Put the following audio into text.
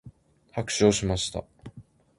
拍手をしました。